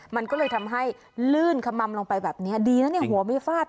มันก็เลยทำให้ลื่นขมัมลงไปแบบนี้ดีนะเนี่ยหัวไม่ฟาด